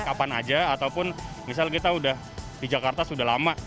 kapan aja ataupun misal kita udah di jakarta sudah lama